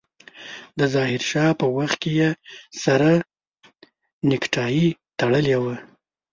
د ظاهر شاه په وخت کې يې سره نيکټايي تړلې وه.